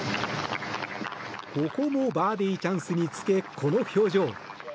ここもバーディーチャンスにつけこの表情。